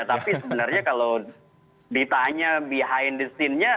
tapi sebenarnya kalau ditanya behind the scene nya